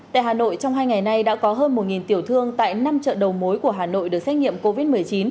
tại hà nội trong hai ngày nay đã có hơn một tiểu thương tại năm chợ đầu mối của hà nội được xét nghiệm covid một mươi chín